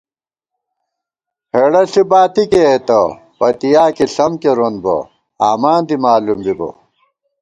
ہېڑہ ݪی باتی کېئیتہ، پتِیا کی ݪم کېرون بہ، آماں دی مالُوم بِبہ